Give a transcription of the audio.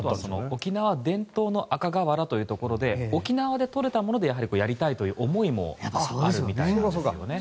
沖縄伝統の赤瓦ということで沖縄でとれたものでやりたいという思いもあるみたいですね。